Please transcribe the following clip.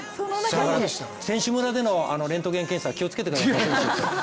選手村でのレントゲン検査気をつけてください。